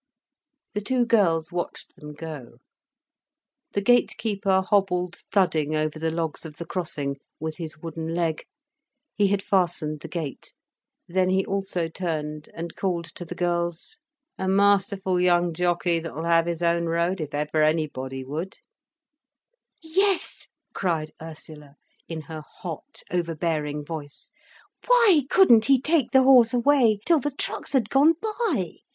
The two girls watched them go. The gate keeper hobbled thudding over the logs of the crossing, with his wooden leg. He had fastened the gate. Then he also turned, and called to the girls: "A masterful young jockey, that; 'll have his own road, if ever anybody would." "Yes," cried Ursula, in her hot, overbearing voice. "Why couldn't he take the horse away, till the trucks had gone by?